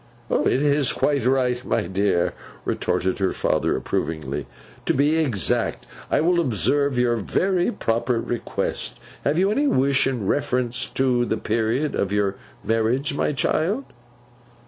'It is quite right, my dear,' retorted her father approvingly, 'to be exact. I will observe your very proper request. Have you any wish in reference to the period of your marriage, my child?